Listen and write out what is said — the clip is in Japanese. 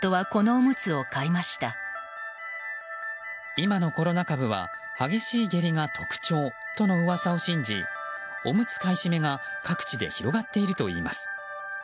今のコロナ株は激しい下痢が特徴との噂を信じ、おむつ買い占めが各地で広がっているといいます。